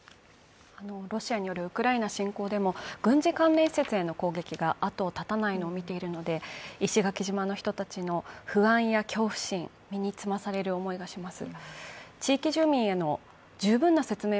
ロシアによるウクライナ侵攻でも、軍事関連施設への攻撃が後を絶たないのを見ているので石垣島の人たちの不安や恐怖心、身につまされる気がします。